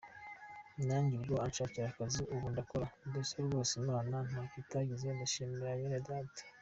Nanjye ubwo anshakira akazi ubu ndakora, mbese rwose Imana ntako itagize ndayishima bene Data!.